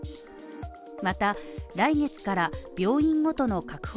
また、来月から病院ごとの確保